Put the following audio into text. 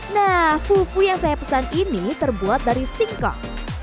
nah fufu yang saya pesan ini terbuat dari singkong